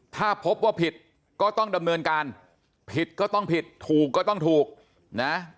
ถ้าพบว่าผิดก็ต้องดำเนินการผิดก็ต้องผิดถูกก็ต้องถูกนะ